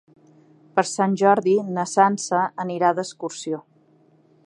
Per Sant Jordi na Sança anirà d'excursió.